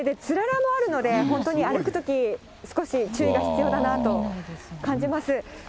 つららもあるので、本当に歩くとき、少し注意が必要だなと感じます。